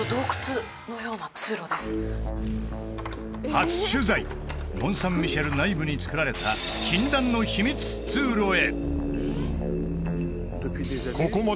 初取材モン・サン・ミシェル内部につくられた禁断の秘密通路へ！